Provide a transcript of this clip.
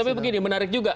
tapi begini menarik juga